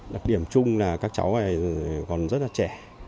đặc điểm chung là các cháu này còn rất là trẻ